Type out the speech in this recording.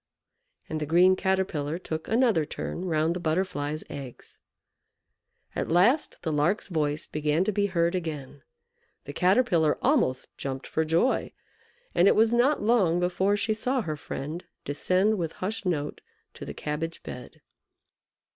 And the green Caterpillar took another turn round the Butterfly's eggs. At last the Lark's voice began to be heard again. The Caterpillar almost jumped for joy, and it was not long before she saw her friend descend with hushed note to the cabbage bed.